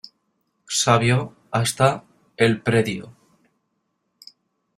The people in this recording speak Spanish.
Savio hasta El Predio.